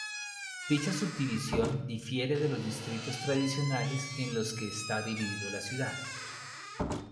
Dicha subdivisión difiere de los distritos tradicionales en los que está dividido la ciudad.